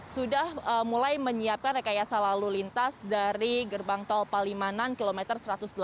sudah mulai menyiapkan rekayasa lalu lintas dari gerbang tol palimanan kilometer satu ratus delapan puluh